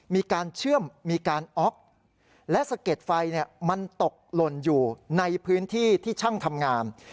มีการเชื่อมมีการอ๊อกและสะเก็ดไฟมันตกหล่นอยู่ในพื้นที่ที่ช่างทำงาม